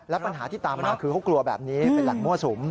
และปัญหาที่ตามมาคือเขากลัวแบบนี้เป็นแหล่งมั่วสุม